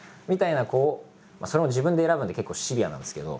それも自分で選ぶんで結構シビアなんですけど。